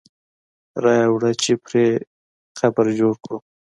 را یې وړه چې پرې قبر جوړ کړو.